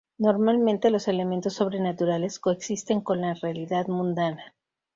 Normalmente los elementos sobrenaturales co-existen con la realidad mundana.